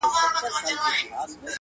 و دهقان ته يې ورپېښ کړل تاوانونه!!